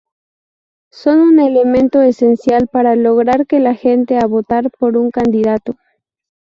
Son un elemento esencial para lograr que la gente a votar por un candidato.